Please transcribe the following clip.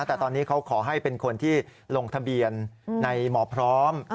แต่ตอนนี้เขาขอให้เป็นคนที่ลงทะเบียนในหมอพร้อม